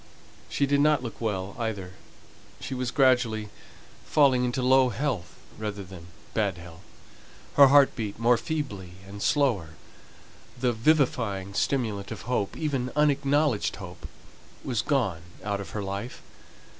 She did not look well, either: she was gradually falling into low health, rather than bad health. Her heart beat more feebly and slower; the vivifying stimulant of hope even unacknowledged hope was gone out of her life.